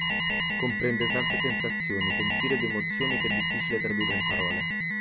Comprende tante sensazioni, pensieri ed emozioni che è difficile tradurre in parole.